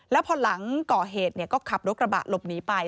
แล้วพอหลังก่อเหตุก็ขับรถกระบะหลบหนีไป